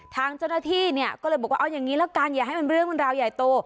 ทางเจ้าหน้าที่เนี่ยก็เลยบอกว่าเอาอย่างนี้แล้วกันอย่าให้มันเรื่องมันราวใหญ่โต